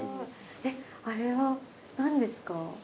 えっあれは何ですか？